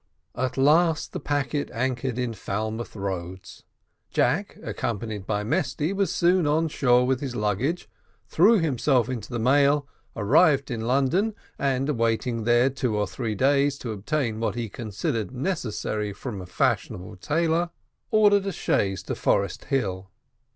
At last the packet anchored in Falmouth Roads. Jack, accompanied by Mesty, was soon on shore with his luggage, threw himself into the mail, arrived in London, and waiting there two or three days to obtain what he considered necessary from a fashionable tailor, ordered a chaise to Forest Hill.